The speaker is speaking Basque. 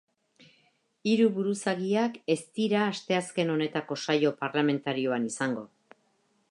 Hiru buruzagiak ez dira asteazken honetako saio parlamentarioan izango.